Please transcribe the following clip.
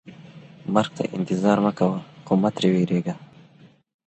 مرګ ته انتظار مه کوه خو مه ترې ویریږه.